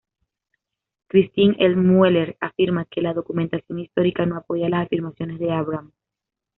Christine L. Mueller afirma que la documentación histórica no apoya las afirmaciones de Abrams.